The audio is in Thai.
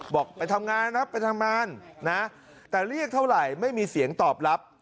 ไปทำงานนะครับไปทำงานนะแต่เรียกเท่าไหร่ไม่มีเสียงตอบรับ